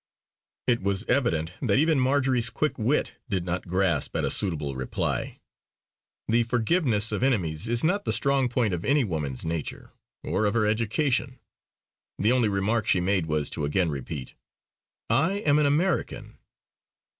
It was evident that even Marjory's quick wit did not grasp at a suitable reply. The forgiveness of enemies is not the strong point of any woman's nature, or of her education. The only remark she made was to again repeat: "I am an American!"